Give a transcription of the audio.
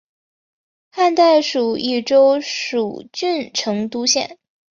汉代属益州蜀郡成都县。